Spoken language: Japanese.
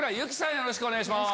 よろしくお願いします。